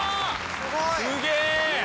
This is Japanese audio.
すげえ！